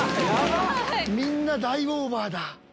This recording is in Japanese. みんな大オーバーだ。